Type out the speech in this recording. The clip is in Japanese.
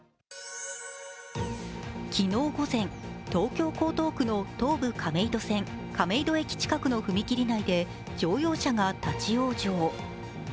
昨日午前、東京・江東区の東武亀戸線・亀戸駅近くの踏切内で乗用車が立ち往生。